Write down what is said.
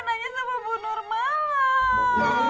tati gak tau